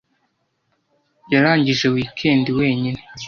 Yarangije weekend wenyine.